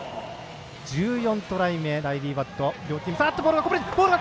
１４トライ目、ライリー・バット。